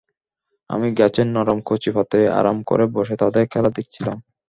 আমি গাছের নরম কচি পাতায় আরাম করে বসে তাদের খেলা দেখছিলাম।